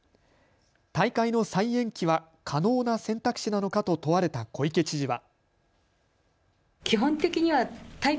大会の再延期は可能な選択肢なのかと問われた小池知事は。